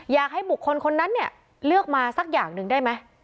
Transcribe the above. อยากให้บุคคลคนนั้นเนี่ยเลือกมาสักอย่างหนึ่งได้ไหม